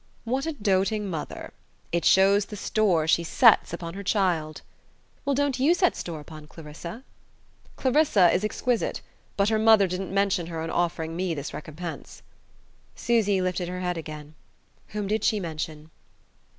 "What a doting mother! It shows the store she sets upon her child." "Well, don't you set store upon Clarissa?" "Clarissa is exquisite; but her mother didn't mention her in offering me this recompense." Susy lifted her head again. "Whom did she mention?"